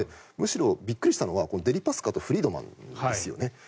むしろびっくりしたのはデリパスカとフリードマンですね。